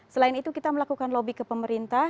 selain itu kita melakukan lobby ke pemerintah